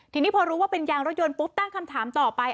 ทีนี้พอรู้ว่าเป็นยางรถยนต์ปุ๊บตั้งคำถามต่อไป